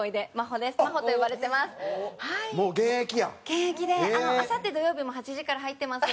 現役であさって土曜日も８時から入ってます。